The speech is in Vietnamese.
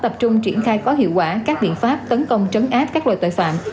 tập trung triển khai có hiệu quả các biện pháp tấn công trấn áp các loại tội phạm